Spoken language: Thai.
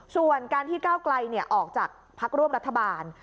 ส่วนการที่ก้าวไกลเนี่ยออกจากภักดิ์ร่วมรัฐบาล